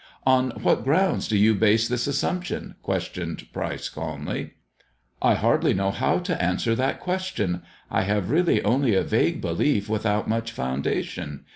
" On what grounds do you base this assumption ?" questioned Pryce calmly. " I hardly know how to answer that question. I have really only a vague belief without much foundation.